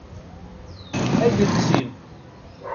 Agelzim.